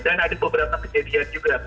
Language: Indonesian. dan ada beberapa kejadian juga